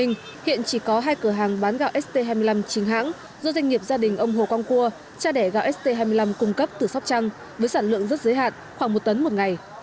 hiện chỉ có hai cửa hàng bán gạo st hai mươi năm chính hãng do doanh nghiệp gia đình ông hồ quang cua cha đẻ gạo st hai mươi năm cung cấp từ sóc trăng với sản lượng rất giới hạn khoảng một tấn một ngày